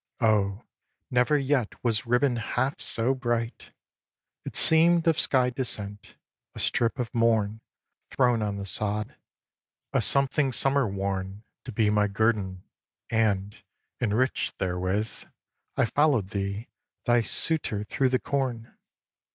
Oh, never yet was ribbon half so bright! It seem'd of sky descent, a strip of morn Thrown on the sod, a something summer worn To be my guerdon; and, enriched therewith, I follow'd thee, thy suitor, through the corn.